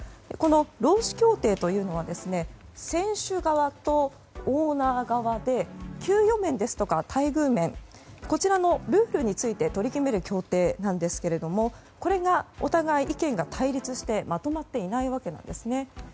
この労使協定というのは選手側とオーナー側で給与面ですとか待遇面こちらのルールについて取り決める協定なんですけれどこれがお互いに意見が対立してまとまっていないわけなんです。